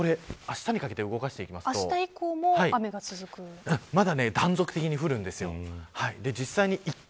これあしたにかけてあした以降もまだ断続的に降るんですよ。